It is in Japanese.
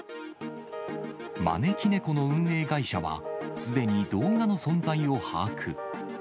まねきねこの運営会社は、すでに動画の存在を把握。